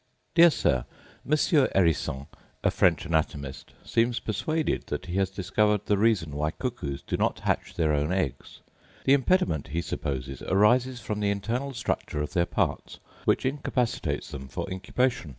Dear Sir, Monsieur Herissant, a French anatomist, seems persuaded that he has discovered the reason why cuckoos do not hatch their own eggs; the impediment, he supposes, arises from the internal structure of their parts, which incapacitates them for incubation.